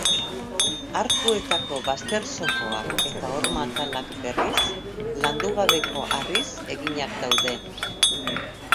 Arkuetako bazter-zokoak eta horma-atalak, berriz, landu gabeko harriz eginak daude.